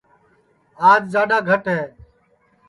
آج جاڈؔا گھٹ ہے